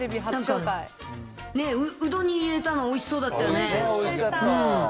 ね、うどんに入れたのおいしそうだったよね。